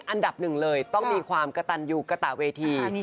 อันดับหนึ่งเลยต้องมีความกระตันยูกระตะเวที